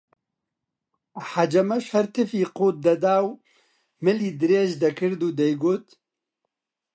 حەجەمەش هەر تفی قووت دەدا و ملی درێژ دەکرد و دەیگوت: